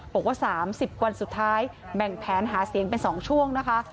บอกว่า๓๐วันสุดท้ายแบ่งแผนหาเสียงเป็น๒ช่วงนะคะ